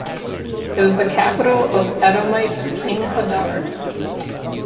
It was the capital of the Edomite king Hadar.